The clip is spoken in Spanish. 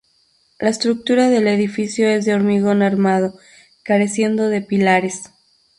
La estructura del edificio es de hormigón armado, careciendo de pilares.